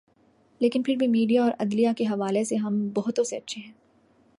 لیکن پھر بھی میڈیا اور عدلیہ کے حوالے سے ہم بہتوں سے اچھے ہیں۔